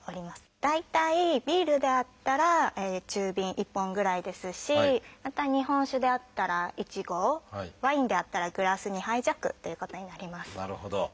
大体ビールであったら中瓶１本ぐらいですしまた日本酒であったら１合ワインであったらグラス２杯弱ということになります。